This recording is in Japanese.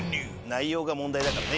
内容が問題だからね